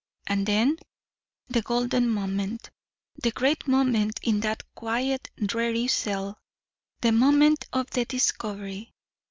And then the golden moment the great moment in that quiet dreary cell the moment of the discovery.